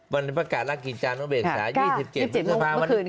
วันนี้ประกาศลักษณ์กิจจานกฎเวษศาสตร์๒๗นเมื่อเมื่อคืน